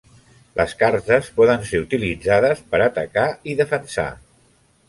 Les cartes poden ser utilitzades per atacar i defensar.